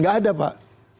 gak ada pak